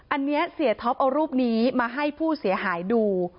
อันนี้เสียท็อปเอารูปนี้มาให้ผู้เสียหายดู